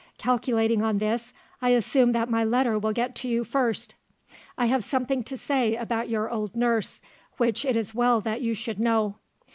Calculating on this, I assume that my letter will get to you first. I have something to say about your old nurse, which it is well that you should know.